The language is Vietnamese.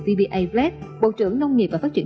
vba lati bộ trưởng nông nghiệp và phát triển